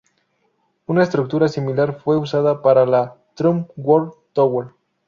Una estructura similar fue usada para la Trump World Tower.